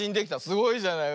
すごいじゃない。